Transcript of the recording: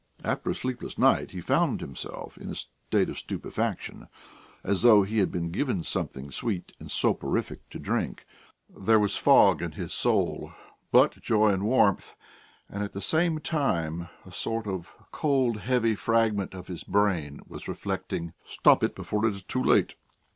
After a sleepless night, he found himself in a state of stupefaction, as though he had been given something sweet and soporific to drink; there was fog in his soul, but joy and warmth, and at the same time a sort of cold, heavy fragment of his brain was reflecting: "Stop before it is too late!